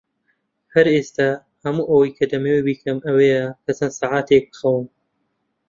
هەر ئێستا، هەموو ئەوەی کە دەمەوێت بیکەم ئەوەیە کە چەند سەعاتێک بخەوم.